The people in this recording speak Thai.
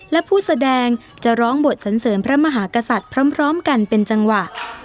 และผู้แสดงจะร้องบทสันเสริมพระมหากษัตริย์พร้อมกันเป็นจังหวะ